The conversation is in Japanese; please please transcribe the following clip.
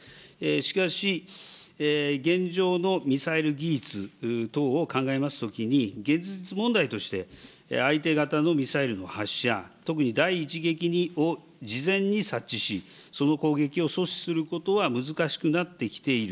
しかし、現状のミサイル技術等を考えますときに、現実問題として、相手方のミサイルの発射、特に第１撃を事前に察知し、その攻撃を阻止することは難しくなってきている。